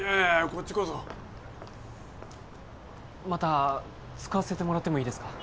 こっちこそまた使わせてもらってもいいですか？